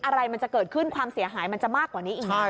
อะไรมันจะเกิดขึ้นความเสียหายมันจะมากกว่านี้อีก